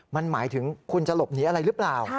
มันหมายถึงคุณจะหลบหนีอะไรหรือเปล่า